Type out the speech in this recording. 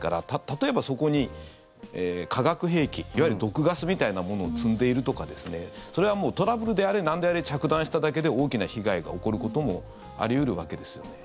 例えば、そこに化学兵器いわゆる毒ガスみたいなものを積んでいるとかそれはトラブルであれなんであれ着弾しただけで大きな被害が起こることもあり得るわけですよね。